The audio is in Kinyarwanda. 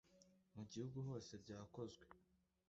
mu gihugu hose byakozwe